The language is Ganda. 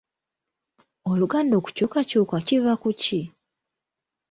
Oluganda okukyukakyuka kiva ku ki?